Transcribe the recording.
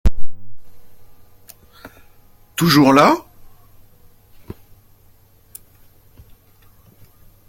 Toujours là